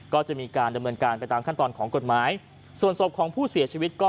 ก็จะมีการดำเนินการไปตามขั้นตอนของกฎหมายส่วนศพของผู้เสียชีวิตก็